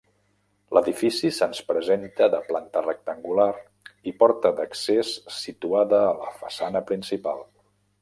L'edifici se'ns presenta de planta rectangular i porta d'accés situada a la façana principal.